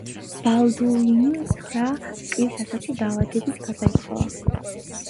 ბალდუინი ცხრა წლის ასაკში დაავადებით გარდაიცვალა.